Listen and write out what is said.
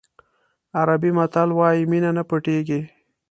عربي متل وایي مینه نه پټېږي.